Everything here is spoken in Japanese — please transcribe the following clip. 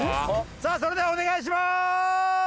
さあそれではお願いしまーす！